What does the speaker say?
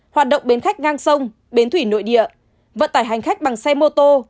hoạt động bến khách ngang sông bến thủy nội địa vận tải hành khách bằng xe mô tô